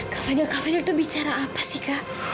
kak fadil kak fadil itu bicara apa sih kak